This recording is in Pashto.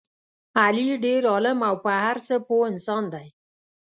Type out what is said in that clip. علي ډېر عالم او په هر څه پوه انسان دی.